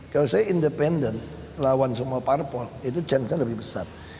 kalau saya independen lawan semua parpol itu chance nya lebih besar